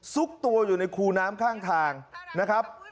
ซุกตัวอยู่ในคูน้ำข้างทางนะครับ